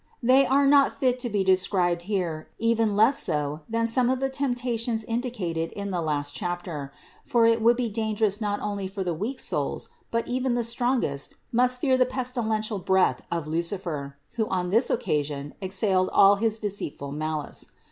362. They are not fit to be described here, even less so than some of the temptations indicated in the last chap ter; for it would be dangerous not only for the weak souls, but even the strongest must fear the pestilential breath of Lucifer, who on this occasion exhaled all his deceitful malice.